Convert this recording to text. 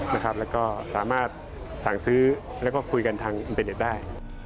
แล้วก็สามารถสั่งซื้อแล้วก็คุยกันทางอินเตอร์เน็ตได้